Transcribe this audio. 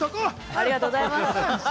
ありがとうございます。